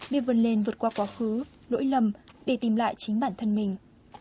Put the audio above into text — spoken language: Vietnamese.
để vươn lên vượt qua quá khứ lỗi lầm để tìm lại chính bản thân mình